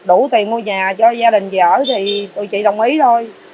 đủ tiền mua nhà cho gia đình về ở thì tụi chị đồng ý thôi